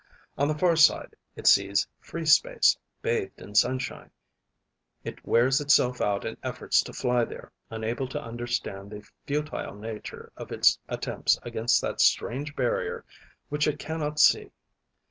On the far side, it sees free space, bathed in sunshine. It wears itself out in efforts to fly there, unable to understand the futile nature of its attempts against that strange barrier which it cannot see.